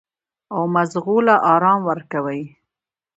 او مزغو له ارام ورکوي -